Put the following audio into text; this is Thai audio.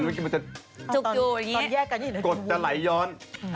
ร่วมอิ่มมาหลายย้อน